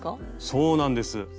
そうなんです。